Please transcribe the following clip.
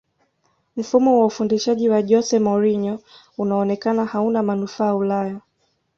mfumo wa ufundishaji wa jose mourinho unaonekana hauna manufaa ulaya